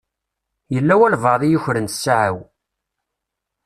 Yella walebɛaḍ i yukren ssaɛa-w.